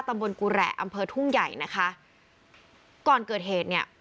ตำบลกุแหละอำเภอทุ่งใหญ่นะคะก่อนเกิดเหตุเนี่ย